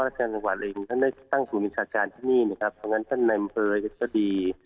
ที่นี่นะครับเพราะฉะนั้นชั้นในเมืองเผยก็ดี